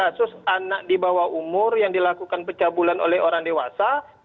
ada kasus anak di bawah umur yang dilakukan pecah bulan oleh orang dewasa